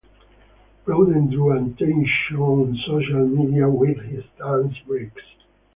Bowden drew attention on social media with his dance breaks.